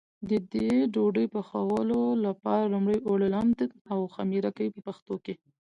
د دې ډوډۍ پخولو لپاره لومړی اوړه لمد او خمېره کوي په پښتو کې.